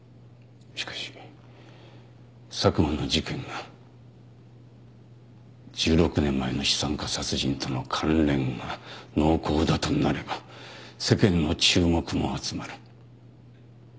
しかし佐久間の事件が１６年前の資産家殺人との関連が濃厚だとなれば世間の注目も集まる。